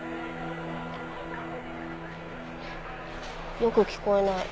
「」よく聞こえない。